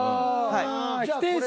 はい。